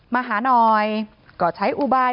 มาหาหน่อยก็ใช้อุบาย